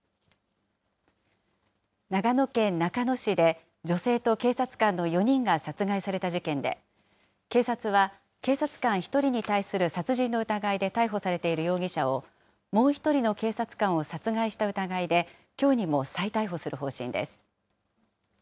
長野県中野市で女性と警察官の４人が殺害された事件で、警察は警察官１人に対する殺人の疑いで逮捕されている容疑者を、もう１人の警察官を殺害した疑いで、きょうにも再逮捕する方針です。